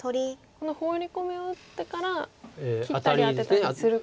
このホウリコミを打ってから切ったりアテたりすることで。